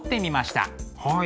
はい。